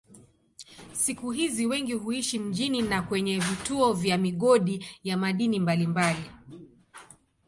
Siku hizi wengi huishi mjini na kwenye vituo vya migodi ya madini mbalimbali.